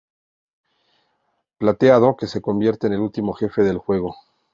Plateado, que se convierte en el último jefe del juego.